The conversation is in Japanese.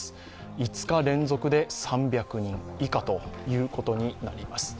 ５日連続で３００人以下ということになります。